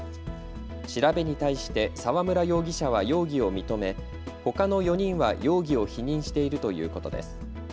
調べに対して澤村容疑者は容疑を認め、ほかの４人は容疑を否認しているということです。